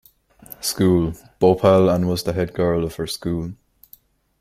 School, Bhopal and was the head girl of her school.